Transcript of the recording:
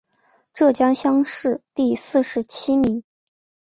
浙江乡试第四十七名。